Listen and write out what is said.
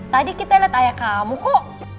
tadi kita lihat ayah kamu kok